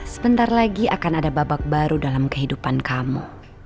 sebentar lagi akan ada babak baru dalam kehidupan kamu